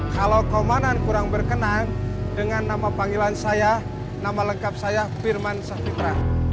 kalau komandan kurang berkenan dengan nama panggilan saya nama lengkap saya firman safitra